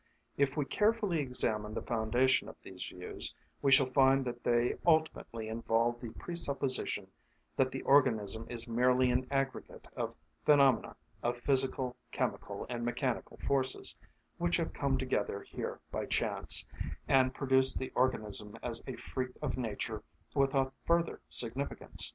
If we carefully examine the foundation of these views, we shall find that they ultimately involve the presupposition that the organism is merely an aggregate of phenomena of physical, chemical, and mechanical forces, which have come together here by chance, and produced the organism as a freak of nature without further significance.